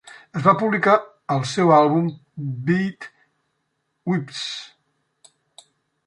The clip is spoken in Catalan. Es va publicar al seu àlbum "Bede Weeps".